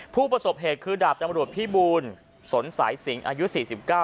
ผู้ประสบเหตุคือดาบตำรวจพี่บูลสนสายสิงอายุสี่สิบเก้า